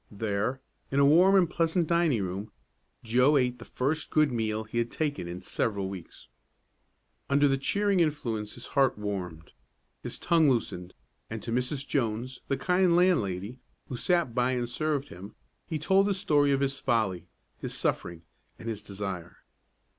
There, in a warm and pleasant dining room, Joe ate the first good meal he had taken in several weeks. Under its cheering influence his heart warmed, his tongue was loosened, and to Mrs. Jones, the kind landlady, who sat by and served him, he told the story of his folly, his suffering, and his desire.